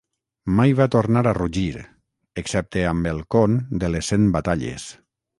Mai va tornar a rugir, excepte amb el Conn de les Cent Batalles.